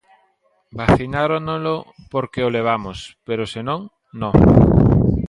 Vacináronnolo porque o levamos, pero se non, non.